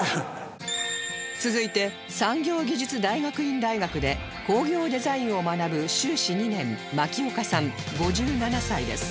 続いて産業技術大学院大学で工業デザインを学ぶ修士２年槇岡さん５７歳です